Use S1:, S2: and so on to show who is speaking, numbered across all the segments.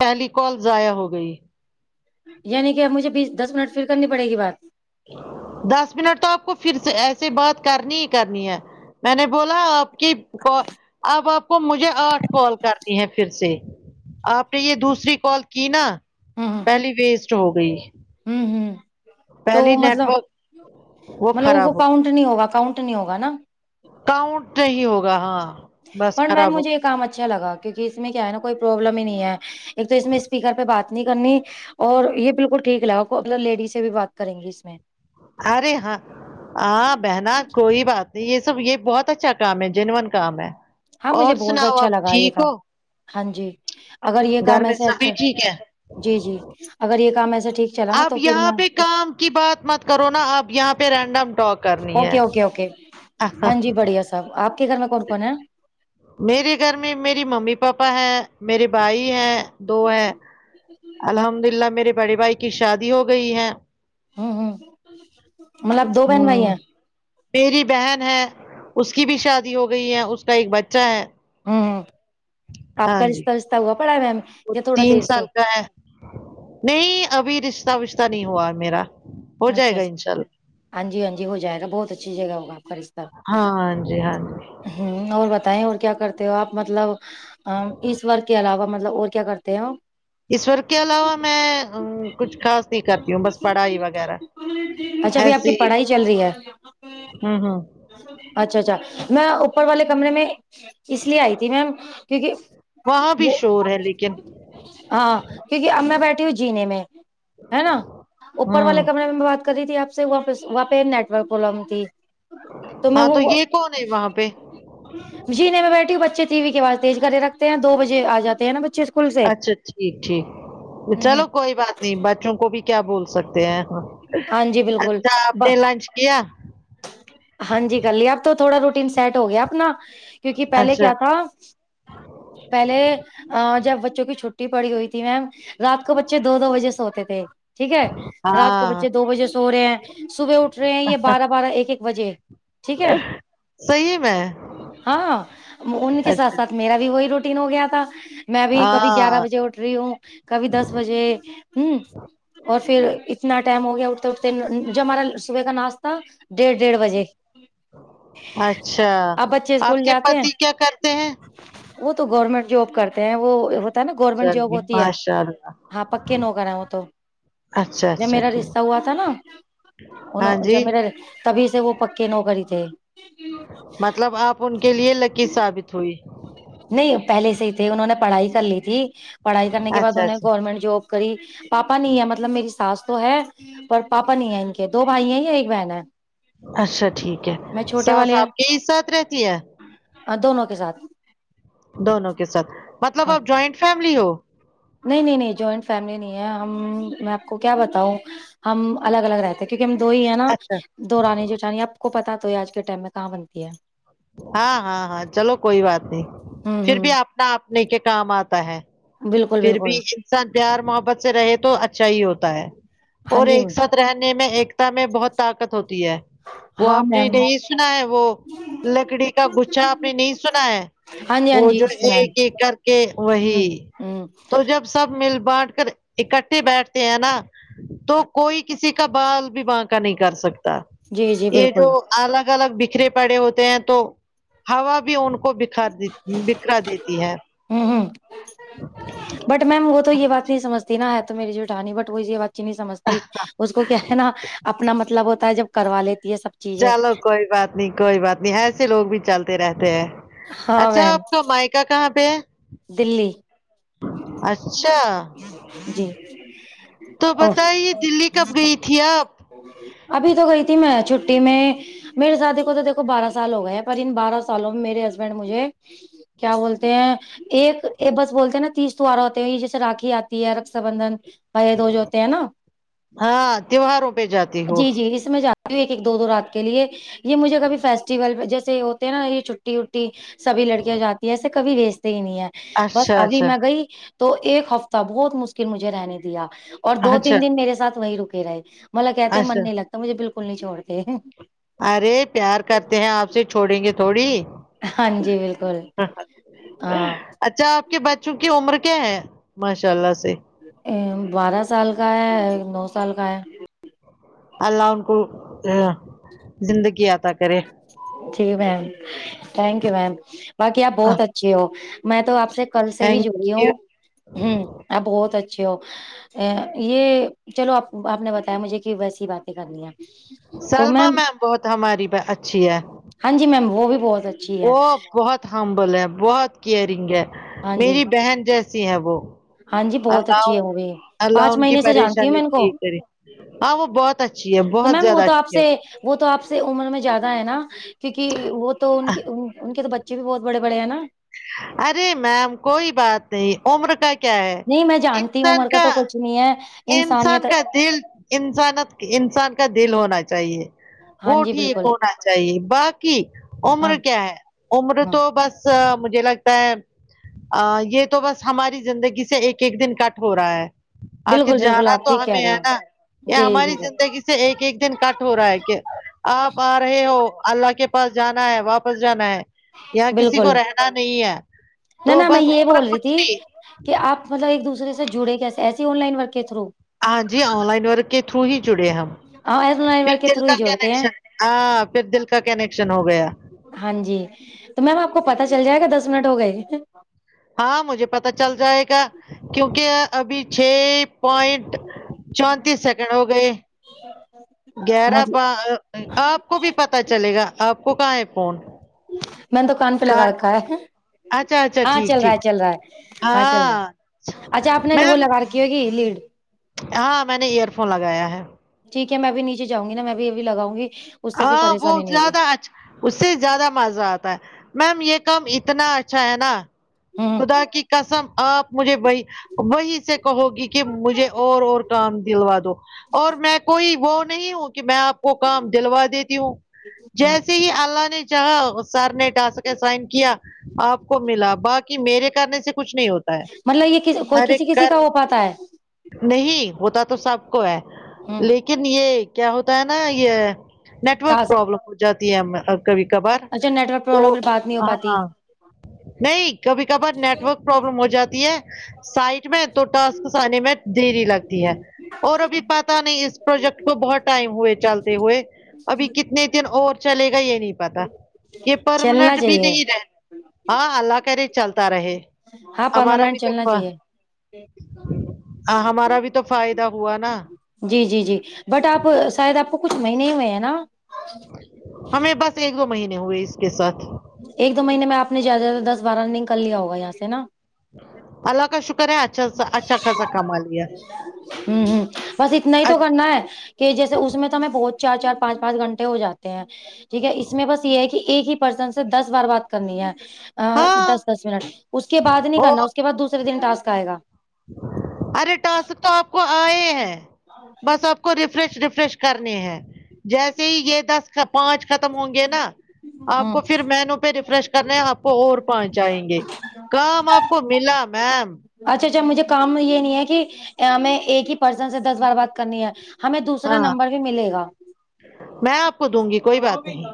S1: پہلی کال ضائع ہو گئی
S2: یعنی کہ اب مجھے بیس دس منٹ پھر کرنی پڑے گی بات
S1: دس منٹ تو آپ کو پھر سے ایسے بات کرنی ہی کرنی ہے میں نے بولا آپ کی اب آپ کو مجھے آٹھ کال کرنی ہے پھر سے آپ نے یہ دوسری کال کی نا
S2: ہوں
S1: پہلی ویسٹ ہو گئی
S2: ہوں ہوں تو
S1: پہلی نیٹ
S2: مطلب
S1: ورک
S2: مطلب وہ
S1: خراب ہو
S2: کاؤنٹ نہیں ہوگا کاؤنٹ نہیں ہوگا نا
S1: کاؤنٹ نہیں ہوگا ہاں بس
S2: پر میم
S1: خراب ہو
S2: مجھے یہ
S1: گئی.
S2: کام اچھا لگا کیونکہ اس میں کیا ہے نا کوئی پروبلم ہی نہیں ہے ایک تو اس میں اسپیکر پہ بات نہیں کرنی اور یہ بالکل ٹھیک ہے آپ نہ لیڈیز سے بھی بات کریں گی اس میں
S1: ارے ہاں ہاں بہنا کوئی بات یہ سب یہ بہت اچھا کام ہے جینون کام ہے
S2: ہاں
S1: اور
S2: مجھے بہت
S1: سناؤ
S2: اچھا
S1: آپ
S2: لگا یہ
S1: ٹھیک
S2: کام
S1: ہو
S2: ہاں جی اگر یہ کام
S1: گھر میں
S2: ایسے
S1: سبھی
S2: اچھا
S1: ٹھیک ہے
S2: جی جی اگر یہ کام ایسا ٹھیک چلا نا
S1: اب
S2: تو پھر
S1: یہاں
S2: میں
S1: پہ
S2: اس
S1: کام کی بات مت کرو نا آپ یہاں پہ رینڈم ٹاک کرنی ہے
S2: اوکے اوکے اوکے ہاں جی بڑھیا صاحب آپ کے گھر میں کون کون ہیں
S1: میرے گھر میں میری ممی پاپا ہیں میرے بھائی ہیں دو ہے الحمد للہ میرے بڑے بھائی کی شادی ہو گئی ہے
S2: ہوں ہوں مطلب دو بہن بھائی
S1: ہوں
S2: ہیں
S1: میری بہن ہے اس کی بھی شادی ہو گئی ہے اس کا ایک بچہ ہے
S2: ہوں آپ
S1: ہاں
S2: کا
S1: جی
S2: رشتہ وشتہ ہوا پڑا ہے
S1: وہ
S2: یا تھوڑا
S1: تین
S2: دیر سے
S1: سال کا ہے نہیں ابھی رشتہ وشتہ نہیں ہوا میرا ہو جائے گا
S2: اچھاچھا
S1: انشاء اللہ
S2: ہاں جی ہاں جی ہو جائے گا بہت اچھی جگہ ہوگا اپ کا رشتہ
S1: ہاں جی ہاں جی
S2: ہوں اور بتائیں اور کیا کرتے ہو آپ مطلب اس ورک کے علاوہ مطلب اور کیا کرتے ہیں
S1: اسورک کے علاوہ میں کچھ خاص نہیں کرتی ہوں بس پڑھائی وگیرہ
S2: اچھا ابھی آپ کی
S1: ایسے ہی
S2: پڑھائی چل رہی ہے
S1: ہوں ہوں
S2: اچھا اچھا میں اوپر والے کمرے میں اس لیے آئی تھی میم کیونکہ
S1: وہاں بھی
S2: وہ
S1: شور ہے لیکن
S2: ہاں کیونکہ ا میں بیٹھی ہوں جینے میں ہے نا اوپر والے
S1: ہوں
S2: کمرے میں بات کر رہی تھی آپ سے وہاں پ وہاں پہ نیٹورک پرابلم تھی تو میں
S1: ہاں
S2: وہ وہ
S1: یہ کون ہے وہاں پہ
S2: جینے میں بیٹھی ہوں بچے ٹی وی کی اواز تیز کرے رکھتے ہیں دو بجے آ جاتے ہیں نا بچے اسکول سے
S1: اچھا ٹھیک ٹھیک
S2: ہوں
S1: چلو
S2: ہوں
S1: کوئی بات نہیں بچوں کو بھی کیا بول سکتے ہیں ہاں
S2: ہاں جی بالکل
S1: اچھا آپ
S2: ب-
S1: نے لنچ کیا
S2: ہاں جی کرلی آپ تو تھوڑا روٹیین سیٹ ہو گیا آپنا کیونکہ پہلے
S1: اچھا
S2: کیا تھا پہلے جب بچوں کی چھٹی پڑی ہوئی تھی میم رات کو بچے دو دو بجے سوتے تھے ٹھیک ہے رات کو
S1: ہاں
S2: بچے دو بجے سو رہے ہیں صبح اٹھ رہے ہیں یہ بارہ بارہ ایک ایک بجے ٹھیک ہے
S1: صحیح میں
S2: ہاں ان کے ساتھ
S1: اچھا
S2: ساتھ میرا بھی وہی روٹین ہو گیا تھا میں بھی کبھی گیارہ
S1: ہاں
S2: بجے اٹھ رہی ہوں کبھی دس بجے ہوں اور پھر اتنا ٹائم ہو گیا اٹھتے اٹھتے جب ہمارا صبح کا ناشتہ ڈیڑھ ڈیڑھ بجے
S1: اچھا
S2: اب بچے اسکول
S1: آپ کے
S2: جاتے ہیں
S1: پتی کیا کرتے ہیں
S2: وہ تو گورنمنٹ جاب کرتے ہیں وہ ہوتا ہے نا گورنمینٹ جب
S1: چلیے
S2: ہوتی ہے
S1: ماشاء اللہ
S2: ہاں پکے نوکر ہے وہ تو
S1: اچھا
S2: جب
S1: اچھا
S2: میرا رشتہ
S1: ٹھیک
S2: ہوا تھا نا
S1: ہاں
S2: انوں جب
S1: جی
S2: میرا تبھی سے وہ پکے نو کرہی تھے
S1: مطلب آپ ان کے لیے لکی ثابت ہوئی
S2: نہیں پہلے سے ہی تھے انہوں نے پڑھائی کر لی تھی پڑھائی کرنے کے بعد
S1: اچھا
S2: انہیں
S1: اچھا
S2: گورنمنٹ جاب کری پاپا نہیں ہے مطلب میری ساس تو ہے پر پاپا نہیں ہے ان کے دو بھائی ہیں یے ایک بہن ہے
S1: اچھا ٹھیک ہے
S2: میں چھوٹے
S1: ساس
S2: والے
S1: آپ
S2: ہیں
S1: کے ہی ساتھ رہتی ہے
S2: دونوں کے ساتھ
S1: دونوں کے ساتھ مطلب
S2: ہاں
S1: آب جوائنٹ فیملی ہو
S2: نہیں نہیں نہیں جوائنٹ فیملی نہیں ہے ہم میں آپ کو کیا بتاؤں ہم الگ الگ رہتے کیونکہ ہم دو ہی ہے نا
S1: اچھا
S2: دورانی جٹانی آپ کو پتا تو ہی ہے آج کے ٹائم میں کہاں بنتی ہے
S1: ہاں ہاں ہاں چلو کوئی بات نہیں
S2: ہوں
S1: پھر بھی
S2: ہوں
S1: اپنا اپنے کے کام آتا ہے
S2: بالکل
S1: پھر
S2: بالکل
S1: بھی انسان پیار محبت سے رہے تو اچھا ہی ہوتا ہے
S2: ہاں
S1: اور
S2: جی
S1: ایک ساتھ رہنے میں ایکتا میں بہت طاقت ہوتی ہے وہ
S2: ہاں
S1: آپ نے
S2: میم
S1: نہیں سنا ہے وہ لکڑی کا گچھا آپ نے نہیں سنا ہے
S2: ہاں جی ہاں
S1: وہ
S2: جی
S1: جو
S2: سنا
S1: ایک
S2: ہے
S1: ایک کر کے وہی
S2: ہوں ہوں
S1: تو جب سب مل بانٹ کر اکٹھے بیٹھتے ہیں نا تو کوئی کسی کا بال بھی بعکہ نہیں کر سکتا
S2: جی جی
S1: یہ جو
S2: بالکل
S1: الگ الگ بکھرے پڑے ہوتے ہیں تو ہوا بھی ان کو ب کھا بکھرا دیتی ہے
S2: ام بٹ میم وہ تو یہ بات نہیں سمجتی نا ہے تو میری جٹھانی بٹ وہ یہ بات نہیں سمجتی اس کو کیا ہے نا اپنا مطلب ہوتا ہے جب کروا لیتی ہے سب چیزیں
S1: چلو کوئی بات نہیں کوئی بات نہیں ایسے لوگ بھی چلتے رہتے ہیں
S2: ہاں
S1: اچھا
S2: میم
S1: آپ کا مائیکا کہاں پہ ہے
S2: دلی
S1: اچھا
S2: جی
S1: تو
S2: او
S1: بتائیے دلی کب گئی تھی آپ
S2: ابھی تو گئی تھی میں چھٹی میں میرے سادی کو تو دیکھو بارہ سال ہو گئے ہیں پر ان بارہ سالوں میں میرے ہسبنڈ مجھے کیا بولتے ہیں ایک بس بولتے ہیں نا تیش توارا ہوتے ہیں یہ جیسے راکھی آتی ہے رکشہ بندھن بھائی جو ہوتے ہیں نا
S1: ہاں تیوہاروں پہ جاتی ہو
S2: جی جی اس میں جات ایک ایک دو دو رات کے لیے یہ مجھے کبھی فیسٹیول جیسے ہوتے ہیں نا یہ چھٹی وٹی سبھی لڑکیاں جاتی ہے ایسے کبھی بیچتے ہی نہیں ہے بس
S1: اچھا
S2: ابھی
S1: اچھا
S2: میں گئی تو ایک ہفتہ بہت مشکل مجھے رہنے دیا اور دو
S1: اچھا
S2: تین دن میرے ساتھ وہی رکے رہے مطلب کہتے ہیں
S1: اچھا
S2: من نہیں لگتا مجھے بالکل نہیں چھوڑتے
S1: ارے پیار کرتے ہیں آپ سے چھوڑیں گے تھوڑی
S2: ہاں جی بالکل ہاں
S1: اچھا آپ کے بچوں کی عمر کیا ہے ماشاءاللہ سے
S2: ا بارہ سال کا ہے نو سال کا ہے
S1: اللہ ان کو ا زندگی عطا کرے
S2: جی میم ٹھنکیو میم باقی آپ بہت اچھی ہو میں تو آپ سے کل سے ہی جڑی
S1: تھینک
S2: ہوں
S1: یو
S2: ہمم آپ بہت اچھے ہو ا یہ چلو آپ نے بتایا مجھے کہ ویسی باتیں کرنی ہے
S1: سلما میم بہت ہماری اچھی ہے
S2: ہاں جی میم وہ بھی بہت اچھی ہے
S1: وہ بہت ہمبلے ہے بہت کیئرنگ ہے
S2: ہاں جی
S1: میری بہن ج یسی ہے وہ
S2: ہاں جی بہت
S1: اللہ
S2: اچھی ہے وہ بھی
S1: اللہ
S2: پانچ
S1: ان کی
S2: مہینے سے جانتی ہوں
S1: پریشانی
S2: میں ان کو
S1: ٹھک کرے ہاں وہ بہت اچھی ہے
S2: تو
S1: بہت
S2: میم وہ
S1: زیادہ
S2: تو آپ
S1: اچھی
S2: سے
S1: ہے
S2: وہ تو آپ سے عمر میں زیادہ ہے نا کیونکی وہ تو ان ان کے تو بچ چےبھی بہت بڑے بڑے ہے نہ
S1: ارے میم کوئی بات نہیں عمر کا کیا ہے
S2: نہیں میں جانتی ہوں
S1: انسان
S2: عمر
S1: کا
S2: [unintelligible]
S1: انسان کا دل انسانت انسان کا دل ہونا چاہیے
S2: ہاں
S1: وہ
S2: جی
S1: ٹھیک
S2: بالکل
S1: ہونا چاہیے باقی عمر
S2: ہاں
S1: کیا ہے عمر
S2: ہاں
S1: تو بس مجھے لگتا ہے ا یہ تو بس ہماری زندگی سے ایک ایک دن کٹ ہو رہا ہے خر
S2: بالکل بالکل
S1: جانا
S2: آپ
S1: تو
S2: ٹھیک کہہ
S1: ہمیں
S2: رہے
S1: ہے نا
S2: ہو
S1: یہاں
S2: جی
S1: ہماری
S2: بالکل
S1: زندگی سے ایک ایک دن کٹ ہو رہا ہے کہ آپ رہے ہو اللہ کے پاس جانا ہے واپس جانا ہے یہاں کسی
S2: بالکل
S1: کو رہنا نہیں ہے
S2: نہ
S1: تو
S2: نہ میں
S1: بس
S2: یہ
S1: عمر
S2: بول رہی
S1: کچھ
S2: تھی
S1: نہیں
S2: کہ آپ مطلب ایک دوسے سے جڑے کیسے ایسی آن لائن ورک کے تھرو
S1: ہاں جی آن لائن ورک کے تھرو ہی جڑے ہیں ہم
S2: آن لائن
S1: پھر
S2: ورک کے
S1: دل
S2: تھرو
S1: کا
S2: ہی جوڑتے ہیں
S1: کنیکشن ہاں پھر دل کا کنیکشن ہو گیا
S2: ہاں جی تو میم آپ کو پتا چل جائے گا دس منٹ ہو گئے
S1: ہاں مجھے پتا چل جائے گا کیونکہ ابھی چھ پوائنٹ چونتیس سیکنڈ ہو گئے گیارہ ب
S2: مطلب
S1: آپ کو بھی پتا چلے گا آپ کو کہاں ہے فون
S2: میں نے دکان پلا
S1: کہاں
S2: کر کاا ہے
S1: اچھا اچھا
S2: ہاں
S1: ٹھیک
S2: چل رہا
S1: ٹھیک
S2: ہے چل رہا ہے ہاں چل رہا ہے اچھا آپ نے وہ
S1: میم
S2: لگا کے جگی لیڈ
S1: ہاں میں نے ایئر فون لگایا ہے
S2: ٹھیک ہے میں بھی نیچے جاں گی نا میں بھی لگاؤ گی اس سے پھر
S1: ہاں بہت
S2: پریشانی نہیں ہوگی
S1: زیادہ آج کل اس سے زیادہ مزہ آتا ہے میم یہ کام اتنا اچھا ہے نا
S2: ہاں
S1: خدا کی قسم آپ مجھے بھئی وہی سے کہو گی کہ مجھے اور اور کام دلوا دو اور میں کوئی وہ نہیں ہوں کہ میں آپ کو کام دلوا دیتی ہوں
S2: ہوں
S1: جیسے ہی اللہ نے چاہا سر نے ڈا سک سائن کیا آپ کو ملا باقی میرے کرنے سے کچھ نہیں ہوتا ہے
S2: مطلب یہ کوئی
S1: ارے
S2: کسی کسی
S1: کر
S2: کا ہو پاتا ہے
S1: نہیں ہوتا تو سب کو ہے
S2: ہ
S1: لیکن یہ کیا ہوتا ہے نا یہ نیٹورک
S2: ٹاسک
S1: پرابلم ہو جاتی ہے کبھی کبھار
S2: اچھا نیٹ ورک
S1: تو
S2: پرابلم پھر بات نہیں ہو پاتی
S1: ہاں نہیں کبھی کبھار نیٹ ورک پروابلم ہو جاتی ہے سائٹ میں تو ٹسکس آنے میں دھیری لگتی ہے اور ابھی پات نہیں اس پروجیکٹ کو بہت ٹائم ہوئے چلتے ہوئے ابھی کتنے دن اور چلے گا یہ نہیں پتا یہ
S2: چلنا
S1: پرمنٹ بھی
S2: چاہیے
S1: نہیں رہتا ہاں اللہ کر رہے چلتا رہے
S2: ہاں
S1: ہمارا بھی
S2: پرماننٹ
S1: تو
S2: چلنا چاہیے
S1: ہاں ہمارا بھی تو فائدہ ہوا نا
S2: جی جی جی بٹ آپ شاید آپ کو کچھ مہینے ہی ہوئے ہیں نا
S1: ہمیں بس ایک دو مہینے ہوئے اس کے ساتھ
S2: ایک دو مہینے میں آپ نے زیادہ زیادہ دس بارہ رنگ کر لیا ہوگا یہاں سے نا
S1: اللہ کا شکر ہے اچھاا اچھا خاصا کما لیا
S2: ہوں ہ بس اتنا ہی تو
S1: اچ-
S2: کرنا ہے کہ جیسے اس میں تو ہمیں بہت چار چار پانچ پانچ گھنٹے ہو جاتے ہیں ٹھیک ہے اس میں بس یہ ہے کہ ایک ہی پرسن سے دس بار بات کرنی ہے ہ
S1: ہاں
S2: دس دس منٹ اس کے بعد نہیں
S1: اور
S2: کرنا اس کے بعد دوسرے دن ٹسک آئے گا
S1: ارے ٹاس تو آپ کو آئے ہے بس آپ کو ریفریش ریفریش کرنی ہے جیسے ہی یہ دس پانچ ختم ہوں گے نا آپ
S2: ہ
S1: کو پھر مینو پہ ریفریش کرنے آپ کو اور پہنچائیں گے کام آپ کو ملا میم
S2: اچھا اچھا مجھے کام یہ نہیں ہے کہ ہمیں ایک ہی پرسن سے دس بار بات کرنی ہے ہمیں دوسرا
S1: ہاں
S2: نمبر بھی ملے گا
S1: میں آپ کو دوں گی کوئی بات نہیں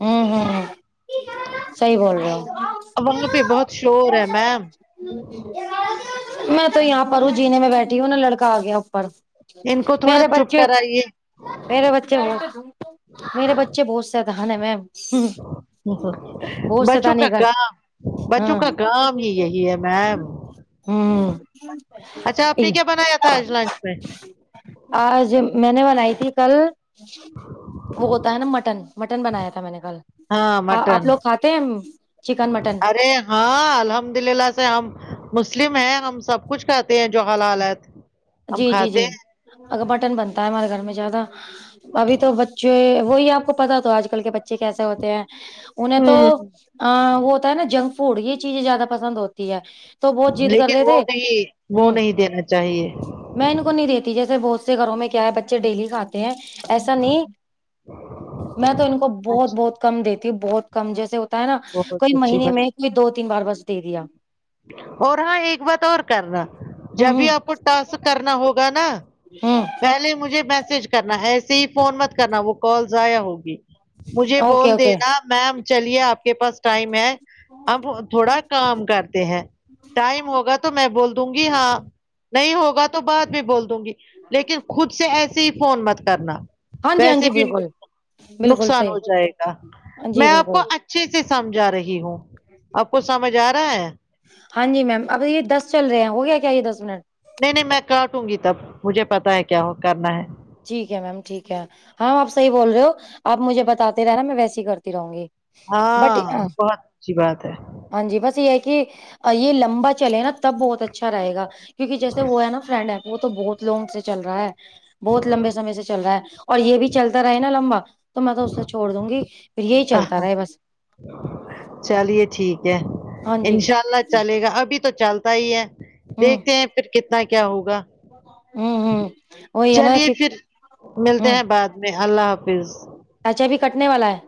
S2: ہوں ہوں ہ صحیح بول رہے ہیں
S1: وہاں پہ بہت شور ہے میم
S2: میں تو یہاں پر ہوں جینے میں بیٹھی ہوں نا لڑکا آ گیا اوپر
S1: ان کو تھوڑا
S2: میرے
S1: چپ
S2: بچے
S1: کرائیے
S2: میرے بچے ب میرے بچے بہت سےد نا میم بہت
S1: بچوں کا
S2: شیطانی
S1: کام
S2: کرتے
S1: بچوں
S2: ہاں
S1: کا کام ہی یہی ہے میں
S2: ہوں
S1: اچھا آپ نے کیا بنایا تھا آج لنچ میں
S2: آج میں نے بنائی تھی کل وہ ہوتا ہے نا مٹن مٹن بنایا تھا میں نے کل
S1: ہاں
S2: آپ
S1: مٹن
S2: لوگ کھاتے ہیں چکن مٹن
S1: ارے ہاں الحمد للہ سے ہم مسلم ہیں ہم سب کچھ کہتے ہیں جو حل حالت
S2: جی جی جی اگر بٹن بنتا ہے ہمارے گھر میں زیادہ ابھی تو بچے وہی اپ کو پتا تو اج کل کے بچے کیسے ہوتے ہیں انہیں تو
S1: ہوں،
S2: ا وہ ہوتا ہے نا جنک فوڈ یہ چیزیں زیادہ پسند ہوتی ہیں
S1: لیکن وہ نہیں وہ نہیں دینا چاہیے
S2: میں ان کو نہیں دیتی جیسے بہت سے گھروں میں کیا ہے بچے ڈیلی کاتے ہیں ایسا نہیں میں تو ان کو بہت
S1: اچھا
S2: بہت کم دیتی ہوں بہت کم جیسے ہے نا
S1: بہت
S2: کوئی
S1: اچھی
S2: مہینے میں
S1: بات
S2: کوئی دو تین بار بس دے دیا
S1: اور ہاں ایک بات اور کرنا
S2: ہ
S1: جب بھی اپ
S2: ہ
S1: کو تس کرنا ہوگا نا
S2: ہ
S1: پہلے مجھے میسج کرنا ہے ایسے ہی فون مت کرنا وہ کال ضائع ہوگی مجھے
S2: اوکے
S1: بول
S2: اوکے
S1: دینا میم چلیے اپ کے پاس ٹائم ہے اب تھوڑا کام کرتے ہیں ٹائم ہوگا تو تو میں بول دوں گی ہاں نہیں ہوگا تو بعد بھی بول دوں گی لیکن خود سے ایسے ہی فون مت کرنا
S2: ہاں جی ہاں
S1: ویسے
S2: جی
S1: بھی
S2: بالکل
S1: نق
S2: بالکل
S1: نقصان ہو
S2: صحیح
S1: جائے گا
S2: جی
S1: میں آپ کو
S2: بالکل
S1: اچھا چھے سے سمجھا رہی ہوں آپ کو سمجھ ا رہا ہیں
S2: ہاں ج میم اب یے دس چل رہے ہیں ہو گیا کیا یے دس منٹ
S1: نہیں نہیں میں کاٹوں گی تب مجھے پتا ہے کیا کرنا ہیں
S2: ٹھیک ہیں میم ٹھیک ہیں ہاں اپ صحی بول رہے ہو اپ مجھے بتاتے رہناا میں ویسی ہی کرتی رہوں گی بٹ
S1: ہاں بہت اچھی بات ہیں
S2: ہاں جی بس یہ ہے کہ یہ لمبا چلے نا تب بہت اچھا رہے گا کیوںک جیسے وہ ہے نا فرینڈ ہے وہ تو بہت لونگ سے چل رہا ہے بہت لمبے سے سے چل رہا ہے اور یے بھی چلتا رہے نا لمبا تو میں تو اسے چھوڑ دوں گی پھر یہی چلتا
S1: ہے
S2: رہے بس
S1: چلیے ٹھیک ہے
S2: ہاں جی
S1: انشاء اللہ چلے گا ابھی تو چلتا ہی ہیں
S2: ہوں
S1: دیکھتے ہیں پھر کتنا کیا ہوگا
S2: آمہم
S1: چالیے پھر ملتے
S2: ہوں
S1: ہیں بعد میں اللہ حافظ
S2: اچھا ابھی کٹنے والا ہیں